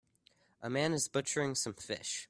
A man is butchering some fish.